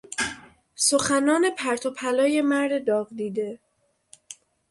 سخنان پرت و پلای مرد داغدیده